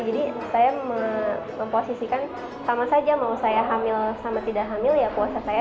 jadi saya memposisikan sama saja mau saya hamil sama tidak hamil ya puasa saya